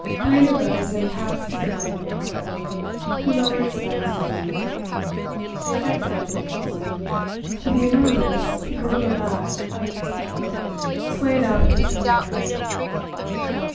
Lena rose and passed to the right of Ricardo, who lowered his glance for a moment. They sat down at the table. The enormous gorilla back of Pedro swayed out through the door.